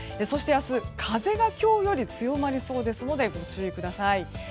そして明日、風が今日より強まりそうですのでご注意ください。